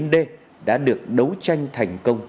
hai mươi chín d đã được đấu tranh thành công